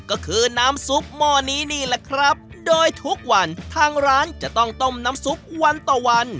ก็คือน้ำซุปหม้อนี้นี่แหละครับโดยทุกวันทางร้านจะต้องต้มน้ำซุปวันต่อวัน